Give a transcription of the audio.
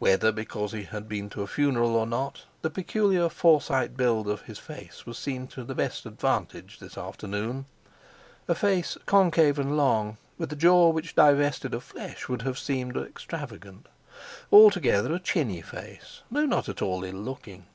Whether because he had been to a funeral or not, the peculiar Forsyte build of his face was seen to the best advantage this afternoon—a face concave and long, with a jaw which divested of flesh would have seemed extravagant: altogether a chinny face though not at all ill looking.